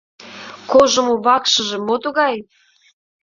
— Кожымо вакшыже мо тугай?